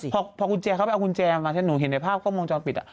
พอกุญแจเขาไปเอากุญแจมาถ้าหนูเห็นในภาพกล้องวงจรปิด